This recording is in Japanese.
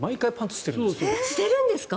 捨てるんですか？